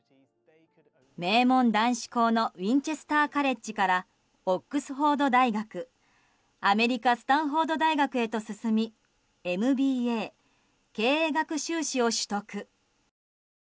名門男子校のウィンチェスター・カレッジからオックスフォード大学アメリカスタンフォード大学へと進みＭＢＡ・経営学修士を取得。